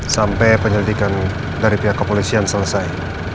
sampai penyelidikan dari pihak kepolisian selesai